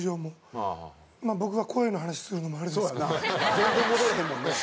全然戻れへんもんね。